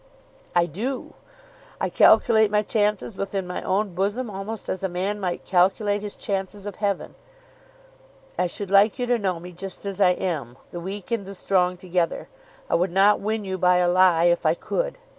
"I do. I calculate my chances within my own bosom almost as a man might calculate his chances of heaven. I should like you to know me just as I am, the weak and the strong together. I would not win you by a lie if I could.